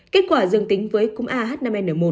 kết quả dương tính với cúm ah năm n một